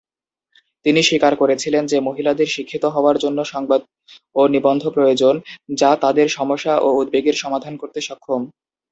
তিনি স্বীকার করেছিলেন যে মহিলাদের শিক্ষিত হওয়ার জন্য সংবাদ ও নিবন্ধ প্রয়োজন, যা তাদের সমস্যা ও উদ্বেগের সমাধান করতে সক্ষম।